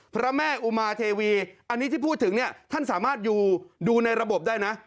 พระแม่อุมาเทวีอันนี้ที่พูดถึงเนี่ยท่านสามารถดูในระบบได้นะ